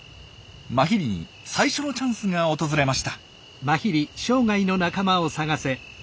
マヒリに最初のチャンスが訪れました。